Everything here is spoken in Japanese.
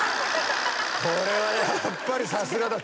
これはやっぱりさすがだ。